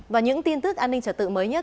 và những tin tức an ninh trật tự mới nhất